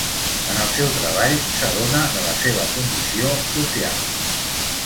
En el seu treball, s'adona de la seva condició social.